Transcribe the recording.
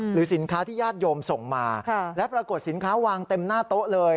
หรือสินค้าที่ญาติโยมส่งมาและปรากฏสินค้าวางเต็มหน้าโต๊ะเลย